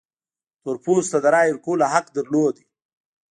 تور پوستو ته د رایې ورکولو حق درلود.